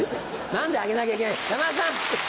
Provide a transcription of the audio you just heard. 何であげなきゃいけない山田さん。